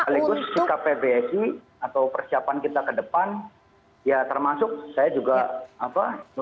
sekaligus sikap pbsi atau persiapan kita ke depan ya termasuk saya juga apa